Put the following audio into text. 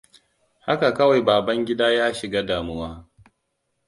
Haka kawai Babangidaa ya shiga damuwa.